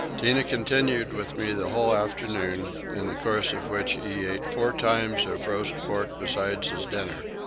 Tinah continued with me the whole afternoon, in the course of which he ate four times of roast pork besides his dinner.